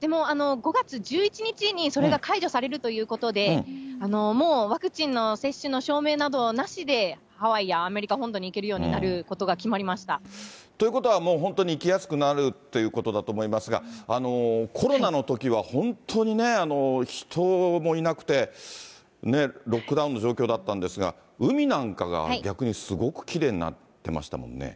でも、５月１１日にそれが解除されるということで、もう、ワクチンの接種の証明などなしで、ハワイやアメリカ本土などに行けるようになるということが決まりということは、もう本当に行きやすくなるということだと思いますが、コロナのときは本当にね、人もいなくて、ロックダウンの状況だったんですが、海なんかが逆にすごくきれいになってましたもんね。